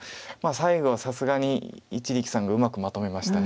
最後はさすがに一力さんがうまくまとめました。